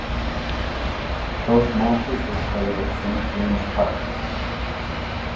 Both matches were played at Saint James Park.